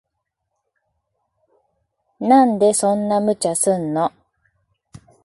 なんでそんな無茶すんの。